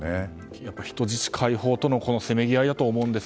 やっぱり人質解放とのせめぎ合いだと思いますが。